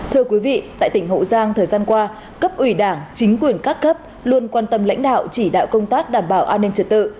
thưa quý vị tại tỉnh hậu giang thời gian qua cấp ủy đảng chính quyền các cấp luôn quan tâm lãnh đạo chỉ đạo công tác đảm bảo an ninh trật tự